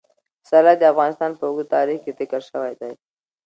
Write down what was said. پسرلی د افغانستان په اوږده تاریخ کې ذکر شوی دی.